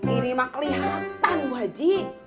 ini mah kelihatan bu haji